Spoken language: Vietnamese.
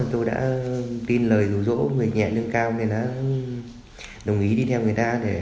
tôi đã tin lời rủ rỗ người nhẹ lương cao đồng ý đi theo người ta